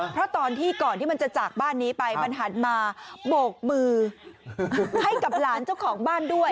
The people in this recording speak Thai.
เพราะตอนที่ก่อนที่มันจะจากบ้านนี้ไปมันหันมาโบกมือให้กับหลานเจ้าของบ้านด้วย